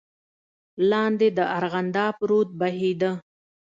لاندې د ارغنداب رود بهېده.